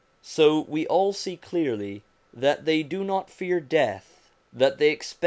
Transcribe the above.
So we all see clearly that they do not fear death, that they expect 1 Cf.